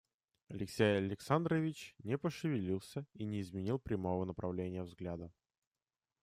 Алексей Александрович не пошевелился и не изменил прямого направления взгляда.